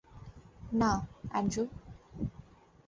না, অ্যান্ড্রু।